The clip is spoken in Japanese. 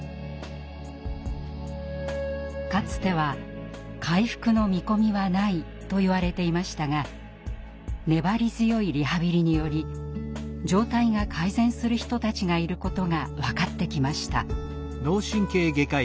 かつては「回復の見込みはない」といわれていましたが粘り強いリハビリにより状態が改善する人たちがいることが分かってきました。